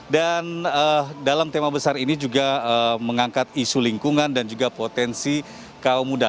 dan dalam tema besar ini juga mengangkat isu lingkungan dan juga potensi kaum muda